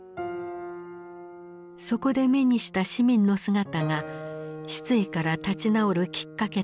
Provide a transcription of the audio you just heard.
そこで目にした市民の姿が失意から立ち直るきっかけとなった。